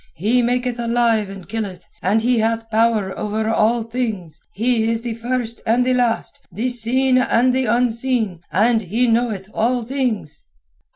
He maketh alive and killeth, and He hath power over all things. He is the first and the last, the seen and the unseen, and He knoweth all things."